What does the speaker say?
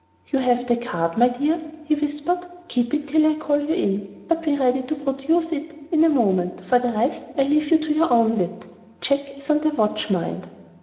"You have the card, my dear?" he whispered; "keep it till I call you in. But be ready to produce it in a moment. For the rest, I leave you to your own wit. Jack is on the watch, mind."